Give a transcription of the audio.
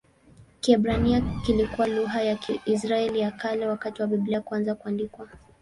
Kiebrania kilikuwa lugha ya Israeli ya Kale wakati wa Biblia kuanza kuandikwa.